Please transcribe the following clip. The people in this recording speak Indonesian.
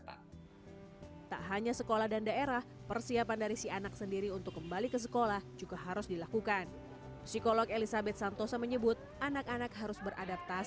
tentu juga akses terhadap sumber belajar atau kemudahan belajar dari rumah dan kondisi psikosoial anak anak atau peserta